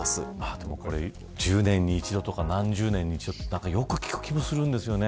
でもこれ、１０年に一度とか何十年に一度ってよく聞く気もするんですよね。